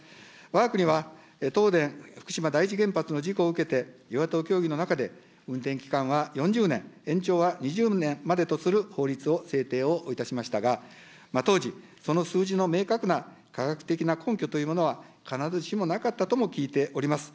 わが国は東電福島第一原発の事故を受けて、与野党協議の中で、運転期間は４０年、延長は２０年までとする法律を制定をいたしましたが、当時、その数字の明確な科学的な根拠というものは必ずしもなかったとも聞いております。